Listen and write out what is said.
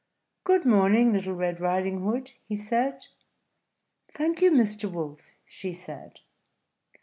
"Good morning, Little Red Riding Hood," he said. "Thank you, Mr. Wolf," she said.